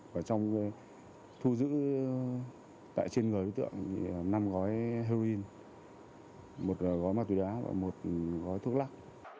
và trong thu giữ tại trên người đối tượng năm gói heroin một gói ma túy đá và một gói thuốc lắc